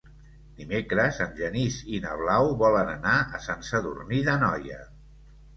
Dimecres en Genís i na Blau volen anar a Sant Sadurní d'Anoia.